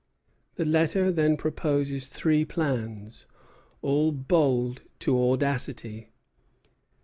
The letter then proposes three plans, all bold to audacity.